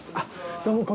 どうも。